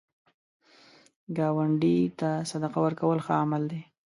ګاونډي ته صدقه ورکول ښه عمل دی